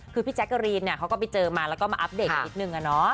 คือพี่แจ๊กกะรีนเขาก็ไปเจอมาแล้วก็มาอัปเดตกันนิดนึงอะเนาะ